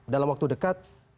dalam waktu dekat